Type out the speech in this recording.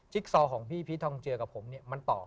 จิกซอร์ของพี่พี่ทองเจียกับผมมันต่อ